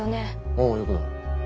ああよくない。